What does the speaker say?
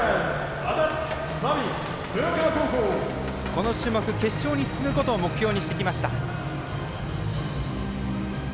この種目、決勝に進むことを目標にしてきました。